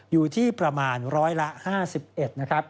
อยู่ที่ประมาณ๑๕๑ลอกชีวิต